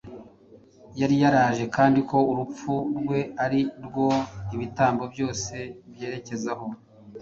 yari yaraje; kandi ko urupfu rwe ari rwo ibitambo byose byerekezagaho.